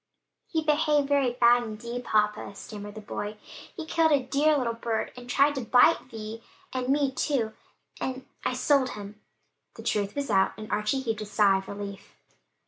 "He behaved very bad indeed, papa," stammered the boy; "he killed a dear little bird and tried to bite Vi, and me too and I sold him." The truth was out and Archie heaved a sigh of relief.